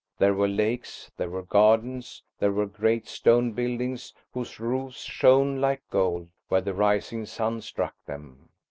There were lakes, there were gardens, there were great stone buildings whose roofs shone like gold where the rising sun struck them.